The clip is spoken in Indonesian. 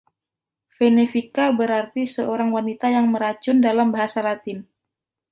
"Venefica" berarti "seorang wanita yang meracun" dalam bahasa Latin.